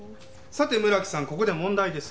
さて村木さんここで問題です。